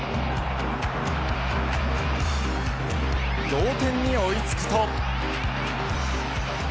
同点に追い付くと。